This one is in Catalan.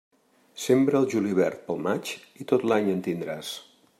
Sembra el julivert pel maig i tot l'any en tindràs.